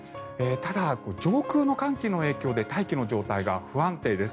ただ、上空の寒気の影響で大気の状態が不安定です。